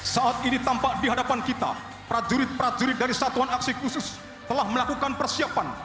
saat ini tampak di hadapan kita prajurit prajurit dari satuan aksi khusus telah melakukan persiapan